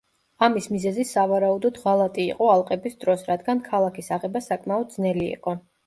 ამის მიზეზი სავარაუდოდ ღალატი იყო ალყების დროს, რადგან ქალაქის აღება საკმაოდ ძნელი იყო.